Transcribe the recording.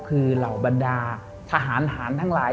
คือเหล่าบรรดาทหารหารทั้งหลาย